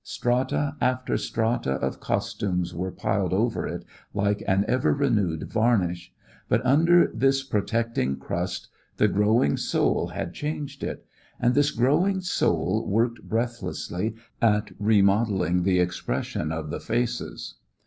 Strata after strata of costumes were piled over it like an ever renewed varnish; but under this protecting crust the growing soul had changed it; and this growing soul worked breathlessly at remodeling the expression of die faces.